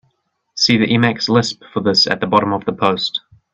See the Emacs lisp for this at the bottom of the post.